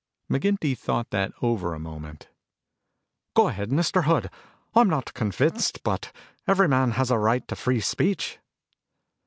McGinty thought that over a moment. "Go ahead, Mr. Hood. I'm not convinced, but every man has a right to free speech."